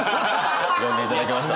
呼んでいただきました。